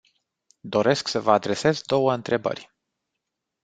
Doresc să vă adresez două întrebări.